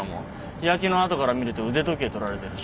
日焼けの痕からみると腕時計取られてるし。